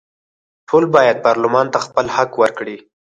ټول باید پارلمان ته خپل حق ورکړي.